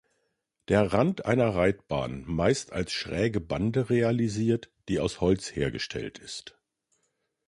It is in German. Der Rand einer Reitbahn meist als schräge Bande realisiert, die aus Holz hergestellt ist.